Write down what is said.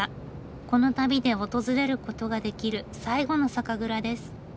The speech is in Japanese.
この旅で訪れることができる最後の酒蔵です。